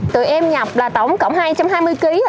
tụi em nhập là tổng cộng hai trăm hai mươi kg